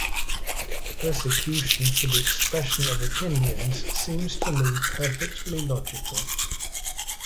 Persecution for the expression of opinions seems to me perfectly logical.